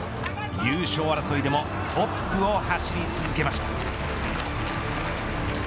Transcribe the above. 優勝争いでもトップをはしり続けました。